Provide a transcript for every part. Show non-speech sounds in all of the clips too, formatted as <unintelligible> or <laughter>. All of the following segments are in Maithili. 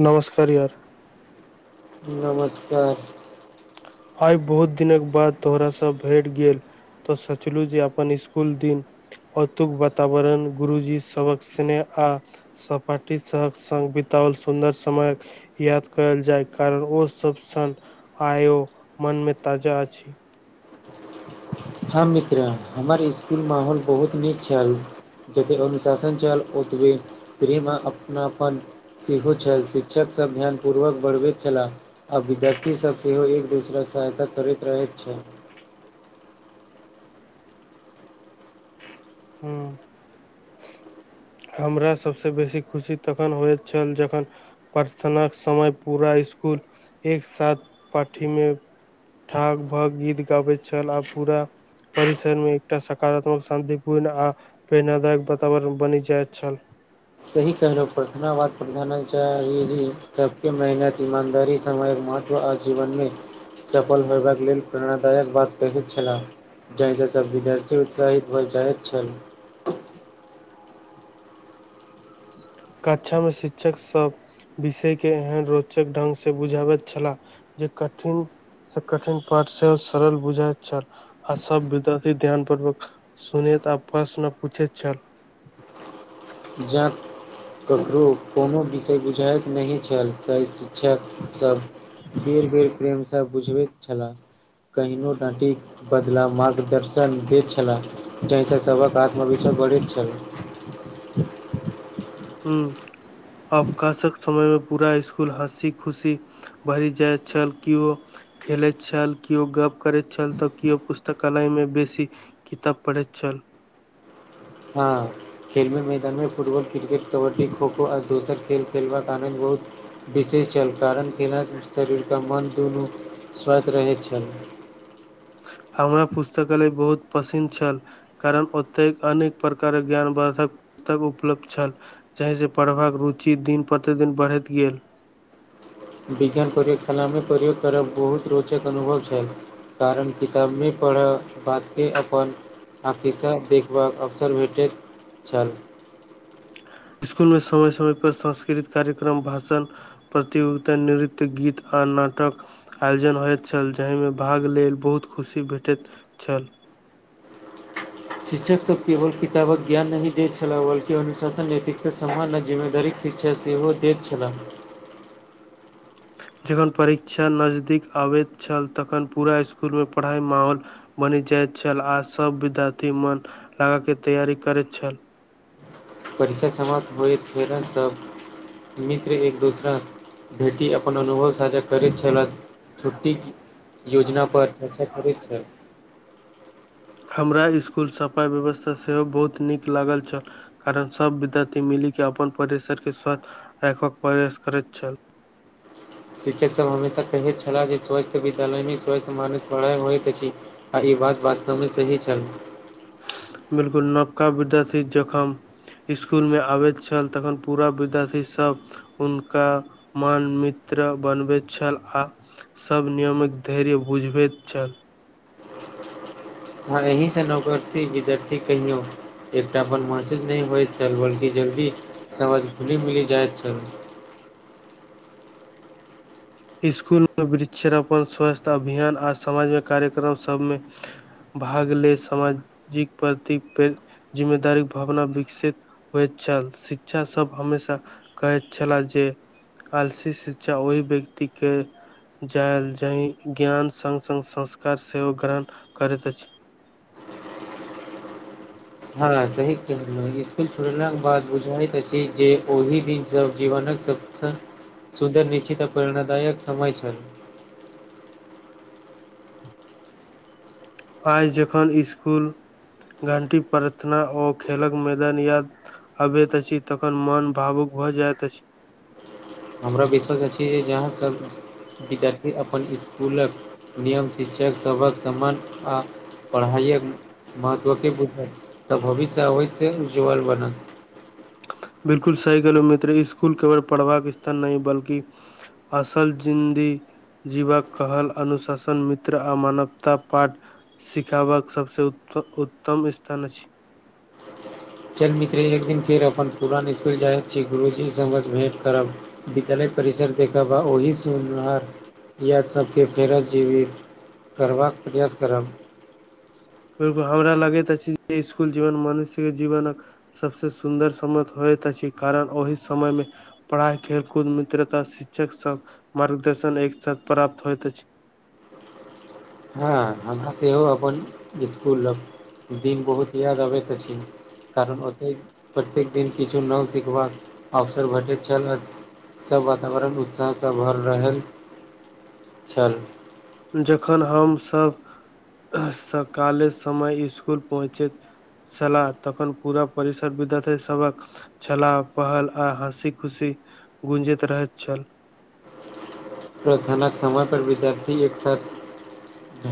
नमस्कार यार नमस्कार आइ बहुत दिनक बाद तोहरा सँ भेट गेल तऽ सचलु जे अपन इसकुल दिन अतुक वातावरण गुरुजी सबहक स्नेह आ सपाटी सबहक बितओल सुन्दर समयक याद करल जाय कारण ओ सब सन आयो मन मे ताजा अछि हम मित्रा हमर इसकुल माहौल बहुत नीक छल जेतै अनुशासन छल ओतबे फ्री मऽ अपनापन सेहो छल शिक्षक सभ ध्यानपूर्वक बढ़बैत छलाह आब विद्यार्थीसभ सेहो एक दोसरक सहायता करैत रहैत छै हू हमरा सबस बेसी खुशी तखन होइत छल जखन प्रथनक समय पूरा स्कूल एक साथ पाठी मे ठाक भऽ गीत गाबैत छल आ पूरा परिसर मे एकटा सकारात्मक शान्ति पूर्ण आ प्रेरणादायक वातावरण बनि जाइत छल सही कहलहुँ प्रधना बाद प्रधानचार्य जी सबके मेहनत ईमानदारी समयक महत्व आ जीवन मे सफल होयबाक लेल प्रेरणादायक बात कहैत छलाह जाहिसँ सब विद्यार्थी उत्साहित भइ जाइत छल कक्षामे शिक्षक सब विषय के एहन रोचक ढंग से बुझाबैत छलाह जे कठिन स कठिन पाठ से सरल बुझाईत छल आ सब विद्यार्थी ध्यान पूर्वक सुनित आपस मे पूछैत छल जेत ककरो कोनो विषय बुझाइत नै छल तऽ शिक्षकसभ बेर बेर प्रेमसभ बुझबैत छलाह कहिनो डाँटिक बदला मार्गदर्शन दै छलाह जहिस सबक आत्मविष बढ़ैत छल हू अवकाशक समय मे पूरा इस्कुल हँसी खुशी भरि जाएत छल किओ खेलैत छल केओ गप करैत छल तऽ केओ पुस्तकालय मे बेसी किताब पढ़ैत छल हँ खेलमे मैदानमे फुटबॉल क्रिकेट कबड्डी खोखो आ दोसर खेल खेलबाक आनन्द बहुत विशेष चल कारण <unintelligible> मन दुनू स्वस्थ रहैत छल हमरा पुस्तकालय बहुत पसिन छल कारण ओतैक अनेक प्रकारक ज्ञान बाधक पुस्तक उपलब्ध छल चाहै से पढ़बाक रुचि दिन प्रतिदिन बढ़ैत गेल विज्ञान प्रयोगशाला मे प्रयोग करब बहुत रोचक अनुभव छै कारण किता मि पढ़ऽ बाद के अपन <unintelligible> देखबाक अवसर भेटैत छल इस्कुल मे समय समय पर सांस्कृत कार्यक्रम भाषा प्रतियोगिता नृत्य गीत आ नाटक आयोजन होइत छल जाहि मे भाग लेल बहुत खुशी भेटैत छल शिक्षक सभ केवल किताबक ज्ञान नहीं देैत छलाह बल्कि अुशासन नैतिकता समान आ जिम्मेदारीक शिक्ष क्षा सेहो दैत छलाह जखन परीक्षा नजदीक आबैत छल तखन पूरा इस्कुल मे पढ़ाइ माहौल बनि जाइत छल आ सब विद्यार्थी मन लगा के तैयारी करैत छल परीचय समाप्त होइत छलास सभ मित्र एक दोसरा बेटी अपन <unintelligible> करैत छलह छुट्टी योजना पर चर्चा करै छै हमरा ईस्कुल सफा व्यवस्था सेहो बहुत नीक लागल छल कारण सब विद्यार्थी मिली के अपन परिसर के स्तब्ध राखब के प्रयास करै छैल शिक्षक सभ हमेशा कहैत छलाह जे स्वस्थ विद्यालय मे स्वस्थ मानस पढ़ाइ होइत अछि आ ई बात वास्तव मऽ सही छल बिल्कुल नवका विद्यार्थी जखन स्कुल मे आबैत छल तखन पूरा विद्यार्थी सभ हुनका मान मित्र बनबैत छल आ सभ नियमक धैर्य बुझबैत छलय हँ एहिसँ नौकरती विद्यर्थी कहियो एकटापन महसुस नहि होइत छल बल्कि जल्दी समझ खुली मिली जाइत छल स्कुल में वृक्षरोपण स्वस्थ्य अभियान आ समाज मे कार्यक्रम सब मे भाग ले सामाजिक प्रति फेर जिम्मेदारी भावना विकसित होइत छल शिक्षा सभ हमेशा कहैत छलहय जे आलसी शिक्षा ओहि व्यक्ति के जायल जाहि ज्ञान संग संग संस्कार सेहो ग्रहण करैत अछि हँ सही कहलहुँ स्कुल छोड़लाक बाद बुझाइत अछि जे ओहि दिन सब जीवनक सब सँ सुन्दर निश्चित प्रेरणादायक समय छल आइ जखन स्कुल घंटी प्रार्थना ओ खेलक मैदान या अबैत अछि तखन मन भावुक भऽ जाइत अछि हमरा विश्वास अछि जे आहाँसभ विद्यार्थी अपन इसकुलक नियम शिक्षक सभक सम्मान आ पढ़ाइअक महत्वके बुझए तऽ भविष्य ओहिसे उज्ज्ववल बनत बिलकुल सही कहलो मित्र स्कुल केवल पढ़बाक स्थान नहि बल्कि असल जिन्दी जीवाक कहल अनुशासन मित्र आ मानवता पाठ सिखाबाक सबसे उत उत्तम स्थान अछि चल मित्र एक दिन फेर अपन पुरान इसकुल जाइत छी गुरुजीसँ हम अर भेँट करब विद्यालय परिसर देखबा ओहि सुनहार याद सभके फेरत जिबीत करबाक प्रयास करब बिलकुल हमरा लगैत अछि जे इसकुल जीवन मनुष्यके जीवनक सबसँ सुन्दर समय होइत अछि कारण ओहि समय मऽ पढ़ाई खेल कूद मित्रता शिक्षक सब मार्गदर्शन एक साथ प्राप्त होयइत अछि हँ हमरा सेहो अपन स्कूलक दिन बहुत याद अबैत अछि कारण ओतेक प्रत्येक दिन किछु नव सिखबाक अवसर भेटैत छल <unintelligible> सभ वातावरण उत्साहसँ भर रहल छल जखन हमसभ सकाले समय इसकुल पहुँचैत सलाह तखन पूरा परिसर विद्यार्थी सभक छला पहल आ हँसी खुशी गूंजैत रहैत छल प्रथनाक समय पर विद्यार्थी एक साथ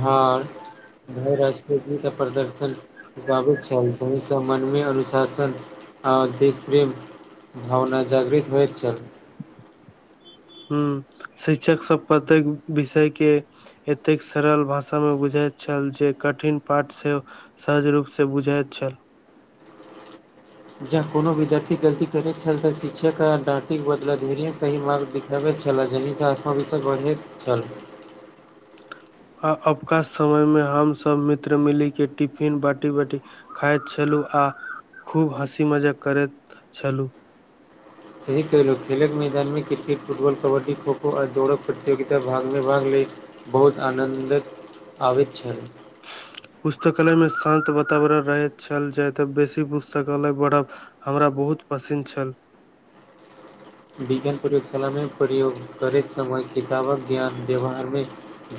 ह राष्ट्रीय गीत आ प्रदर्शन गाबैत छल ओहिसँ मनमे अनुशासन आ देश प्रेम भावना जागृत होइत छल हूं शिक्षक सब प्रतेक विषय के एतेक सरल भाषामे बुझैत छल जे कठिन पाठसँ सहज रूप से बुझाइत छल जँ कोनो विद्यार्थी गलती करैत छल तऽ शिक्षक आडाँटिक बदला दुरिये सही मार्ग हेबे छलै जे निचा <inaudible> तक बढ़ैत छलै आ आपका समय मे हम सब मित्र मिली के टिफिन बाटी बाटी खाइत छलहुँ आ खूब हँसी मजाक करैत छलुँ सही खेलो खेलक मैदानमे क्रिकेट फुटबॉल कबड्डी खोखो आ दौड़ो प्रतियोगिता भगमे भाग ले बहुत आनन्दक आबैत छै पुस्तकालय मे शान्त वातावरण रहैत छल जाय तऽ बेसी पुस्तकालय पढ़ब हमरा बहुत पसिन छल विज्ञान प्रयोगशालामे प्रयोग करैत समय किताबक ज्ञान व्यवहारमे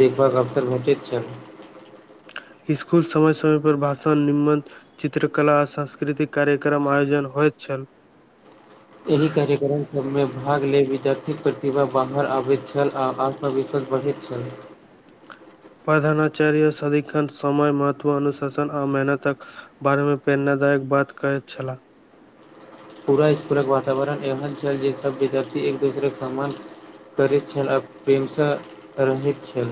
एक बार अवसर भेटैत छल स्कुल समय समय पर भाषण निम्मन चित्रकला सांस्कृतिक कार्यक्रम आयोजन होइत छल एहि कार्यक्रम सभमे भाग लेल विद्यार्थीक प्रतिभा बाहर आबैत छल आ पर विश्वास बढ़ैत छैलै प्रधानाचार्य सदि्षन समय महत्व अनुशासन आ मेहनतक बारेमे प्रेरणादायक बात कहैत छलाह पूरा इसकुलक वातावरण एहन छै जे सभ विद्यार्थी एक दूसरे के सम्मान करैत छल आ प्रेमसँ रहैत छल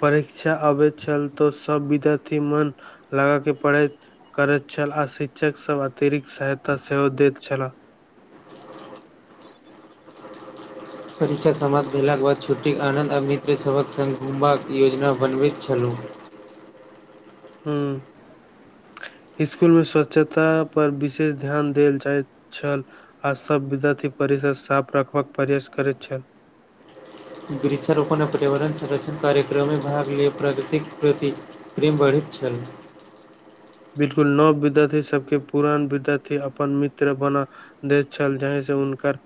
परीक्षा अबैत छल तऽ सब विद्यार्थी मन लगा के पढ़ैत करैत छल आ शिक्षक सब अतिरिक्त सहायता सेहो दैत छलाह परीक्षा समाप्त भेलाक बाद छुट्टीके आनन्द अमित्र सभक सङ्ग घुमबाक योजना बनबैत छलूं हू इसकुलमे स्वच्छता पर विशेष ध्यान देल जाइत छल आ सब विद्यार्थी परिसर साफ रखबाक प्रयास करैत छल वृक्षारोपण आ पर्यावरण संरक्षण कार्यक्रममे भाग लेब प्राकृतिक प्रति प्रेम बढ़ैत छल बिलकुल नव विद्यार्थी सबके पुरान विद्यार्थी अपन मित्र बना देत छल जहि से उनकर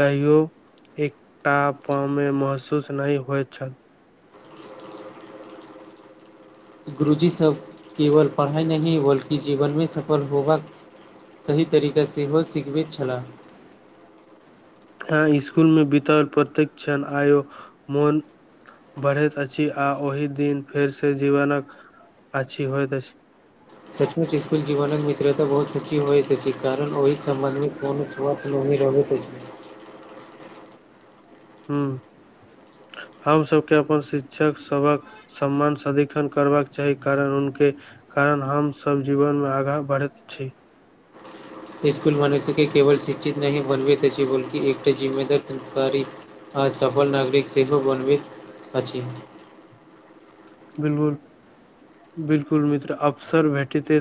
कहियो एकटा अपनमे महसूस नहि होइत छल गुरुजी सब केवल पढ़ाइ नहि बल्कि जीवनमे सफल होबाक सही तरीका सेहो सिखबैत छलाह आ स्कुल मे बितओल प्रतिक्षण आयो मोन बढ़ैत अछि आ ओहि दिन फेरसँ जीवनक आछी होइत अछि सचमुच स्कुल जीवन मित्रता बहुत सची होइत छै कारण ओहि सम्बंध मे कोनो बात नामी रहबे करै छै हू हम सबके अपन शिक्षक सभक सम्मान सदिखन करबाक चाही कारण हुनके कारण हमसब जीवनमे आगाँ बढ़ैत छी इसकुल मनुष्यके केवल शिक्षित नहि मनबैत अछि बल्कि एकटा जिम्मेदार संस्कारी आ सफल नागरिक सेहो बनबैत अछि बिलकुल बिलकुल मित्र, अफसर भेटते।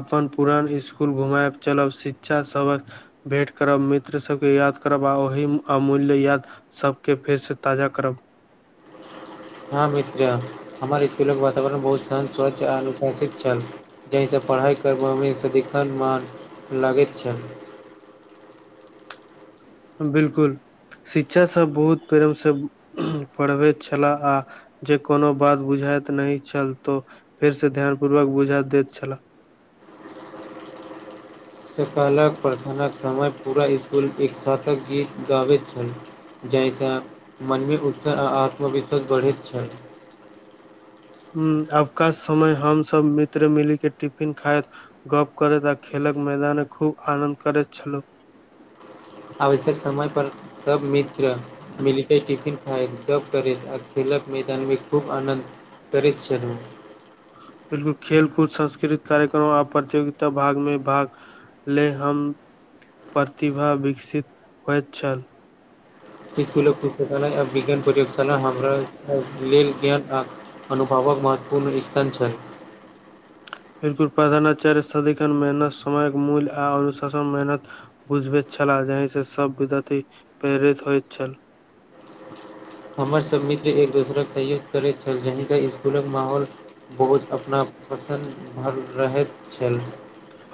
अपन पुरान स्कूल घुमएब चलब, शिक्षा सभक। भेट करब मित्र सभके, याद करब आ ओहि अमूल्य याद सभके फेरसँ ताजा करब हँ मित्र, हमर स्कूलक वातावरण बहुत सुन्दर, स्वच्छ आ अनुशासित छल। जाहि सँ पढ़ाइ करब मे सदिखन मन लगैत छल। बिलकुल, शिक्षक सभ बहुत प्रेम सँ पढ़बैत छलाह आ। जे कोनो बात बुझाइत नहि छल, तँ फेर सँ ध्यानपूर्वक बुझा दैत छलाह। सकालक प्रथम समय पूरा स्कूल एक साथ गीत गाबैत छल। जाहि सँ मनमे उत्साह आ आत्मविश्वास बढ़ैत छल। हँ, आबका समय हमसभ मित्र मिलि कऽ टिफिन खाइत गप करैत आ खेलक मैदानमे खूब आनन्द करैत छलहुँ। आवश्यक समय पर सभ मित्र। मिलि कऽ पिकनिक खाइत, गप करैत आ खेलक मैदानमे खूब आनन्द करैत छलहुँ। करीक्षण बिलकुल, खेलकूद, सांस्कृतिक कार्यक्रम आ प्रतियोगितामे भाग लैत छलहुँ। लेल हमसभक प्रतिभा विकसित होइत छल। स्कूल पुस्तकालय, विज्ञान प्रयोगशाला हमरा लेल ज्ञान आ सीखबाक महत्वपूर्ण स्रोत छल। अनुभवक महत्वपूर्ण स्थान छल। बिलकुल, प्रधानाचार्य सदिखन समयक मूल्य, अनुशासन आ मेहनतके महत्व सिखबैत छलाह। बुझब छलहुँ जे से सभ विद्यार्थी प्रेरित होइत छल। हमर सभ मित्र एक-दोसरक सहयोग करैत छलहुँ, जाहि सँ स्कूलक माहौल। बहुत अपनापन भरल रहैत छल।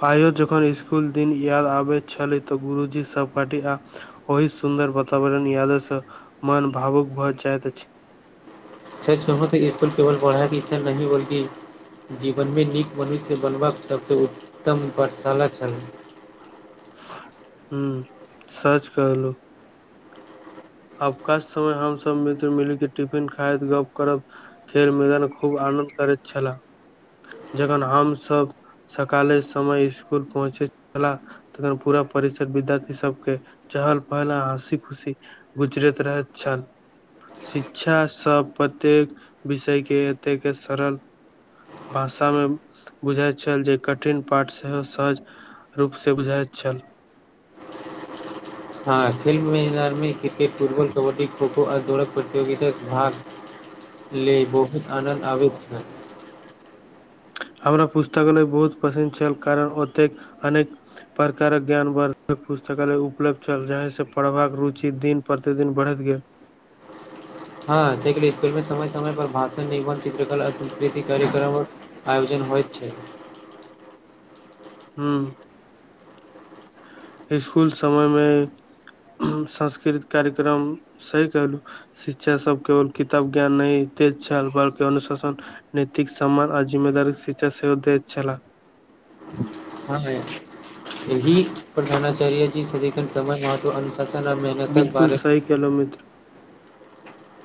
आइयो जखन स्कूलक दिन याद अबैत छै तऽ गुरुजी सभक बाति आ। ओहि सुन्दर वातावरणक यादि मन भावुक भऽ जाइत अछि। स्कूलमे तऽ केवल पढ़ाइ नहि, स्नेह आ अपनापन सेहो भेटैत छल। जीवनमे नीक मनुष्य बनबाक सभसँ उत्तम पाठशाला छल। हँ, सच कहलहुँ। आबकाश समय हमसभ मित्र मिलि कऽ टिफिन खाइत, गप करैत छलहुँ। खेल मैदानमे खूब आनन्द करैत छलहुँ जखन हमसभ। सकालक समय स्कूल पहुँचैत छलहुँ। तखन पूरा परिसरमे विद्यार्थी सभक चहल-पहल, हँसी-खुशी रहैत छल। गुजरैत रहैत छल। शिक्षक सभ प्रत्येक विषयके एतेक सरल। भाषामे बुझबैत छलाह जे कठिन पाठ सेहो सहज। रूप से बुझाय छल हँ खेल मैदानमे क्रिकेट, फुटबॉल, कबड्डी, खो-खो आ दौड़क प्रतियोगितामे भाग लैत छलहुँ। लऽ बहुत आनन्द अबैत छल। हमरा पुस्तकालय बहुत पसिन्द छल, कारण ओतय अनेक। प्रकारक ज्ञानवर्धक पुस्तक उपलब्ध छल, जाहि सँ पढ़बाक रुचि दिन प्रतिदिन बढ़ैत गेल। हँ, स्कूलमे समय समय पर भाषण, चित्रकला आ सांस्कृतिक कार्यक्रम आयोजित होइत छल। आयोजन होइत छै हँ हँ, स्कूलक समयमे सांस्कृतिक कार्यक्रम कहब सही कहलहुँ। शिक्षक सभ केवल किताबक ज्ञान नहि दैत छलाह, बल्कि अनुशासन नैतिक समान आ जिम्मेदारी सँ भरल छल। हँ, एहि प्रधानाचार्य जी सँ सेहो समयक महत्व बुझैत छलहुँ। <unintelligible> बिलकुल सही कहलहुँ मित्र।